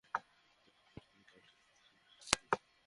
এটা EM monitoring station.